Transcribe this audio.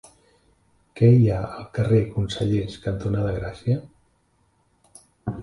Què hi ha al carrer Consellers cantonada Gràcia?